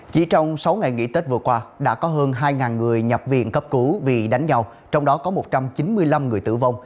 chỉ trong sáu ngày nghỉ tết vừa qua đã có hơn hai người nhập viện cấp cứu vì đánh nhau trong đó có một trăm chín mươi năm người tử vong